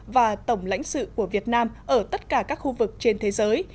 và tổng lãnh sự của việt nam ở tất cả các khu vực trên thế giới